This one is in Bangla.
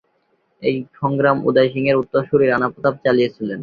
এই সংগ্রাম উদয় সিংহের উত্তরসূরি রানা প্রতাপ চালিয়েছিলেন।